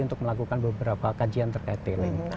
untuk melakukan beberapa kajian terkait tailing